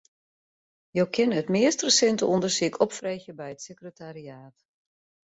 Jo kinne it meast resinte ûndersyk opfreegje by it sekretariaat.